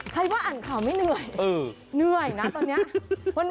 ใครว่าอ่านข่าวไม่เดิน